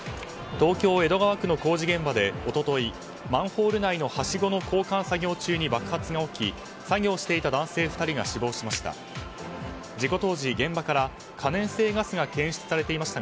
東京・江戸川区の工事現場で一昨日マンホール内の梯子の交換作業中に爆発が起き作業していた男性２人が死亡しました。